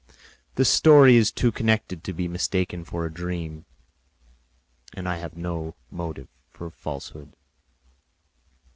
The story is too connected to be mistaken for a dream, and I have no motive for falsehood."